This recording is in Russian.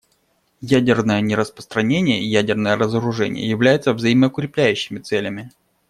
Ядерное нераспространение и ядерное разоружение являются взаимоукрепляющими целями.